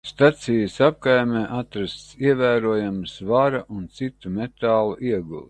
Stacijas apkaimē atrastas ievērojamas vara un citu metālu iegulas.